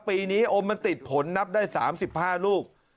ปีนี้โอมมันติดผลนับได้๓๕ลูก